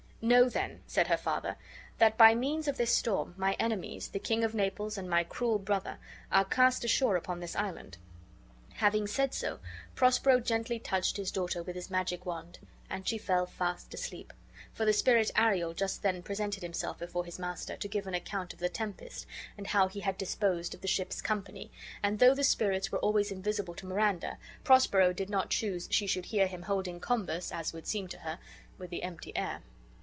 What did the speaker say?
"Know then," said her father, ""that by means of this storm, my enemies, the King of Naples and my cruel brother, are cast ashore upon this island." Having so said, Prospero gently touched his daughter with his magic wand, and she fell fast asleep; for the spirit Ariel just then presented himself before his master., to give an account of the tempest, and how he had disposed of the ship's company, and though the spirits were always invisible to Miranda, Prospero did not choose she should hear him holding converse (as would seem to her) with the empty air.